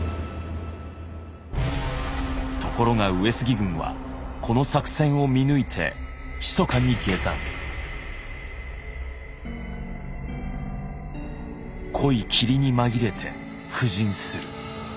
ところが上杉軍はこの作戦を見抜いて濃い霧にまぎれて布陣する。